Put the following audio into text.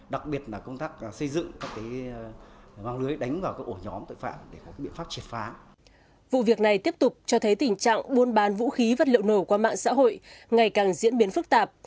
đặc biệt là công tác xây dựng các mạng lưới đánh vào các ổ nhóm tội phạm để có biện pháp triệt phá